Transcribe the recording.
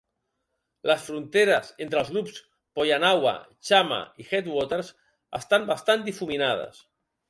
Les fronteres entre els grups Poyanawa, Chama i Headwaters estan bastant difuminades.